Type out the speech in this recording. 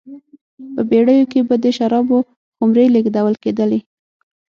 په بېړیو کې به د شرابو خُمرې لېږدول کېدلې